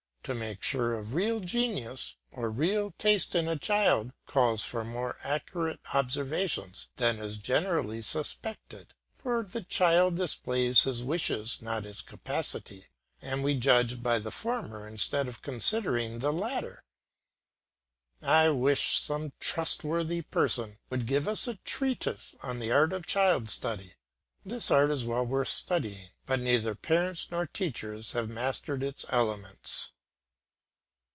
To make sure of real genius or real taste in a child calls for more accurate observations than is generally suspected, for the child displays his wishes not his capacity, and we judge by the former instead of considering the latter. I wish some trustworthy person would give us a treatise on the art of child study. This art is well worth studying, but neither parents nor teachers have mastered its elements.